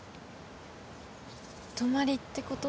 泊まりってこと？